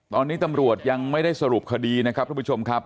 ตอนนี้ตำรวจยังไม่ได้สรุปคดีนะครับทุกผู้ชมครับ